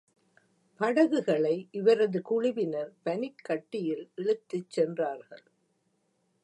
படகுகளை இவரது குழுவினர் பனிக்கட்டியில் இழுத்துச் சென்றார்கள்.